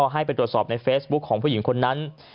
ให้ไปตรวจสอบในเฟซบุ๊คของผู้หญิงคนนั้น